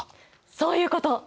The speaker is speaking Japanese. そういうこと！